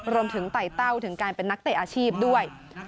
ไต่เต้าถึงการเป็นนักเตะอาชีพด้วย